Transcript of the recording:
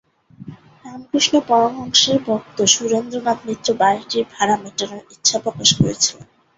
রামকৃষ্ণ পরমহংসের ভক্ত সুরেন্দ্রনাথ মিত্র বাড়িটির ভাড়া মেটানোর ইচ্ছা প্রকাশ করেছিলেন।